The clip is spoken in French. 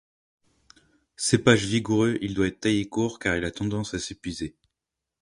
Cépage vigoureux, il doit être taillé court car il a tendance à s'épuiser.